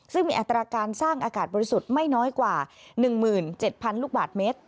ซึ่งมีอัตราการสร้างอากาศบริสุทธิ์ไม่น้อยกว่า๑๗๐๐ลูกบาทเมตร